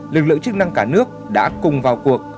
lực lượng chức năng cả nước đã cùng vào cuộc